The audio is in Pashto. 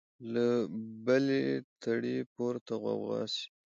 له بلي تړي پورته غوغا سي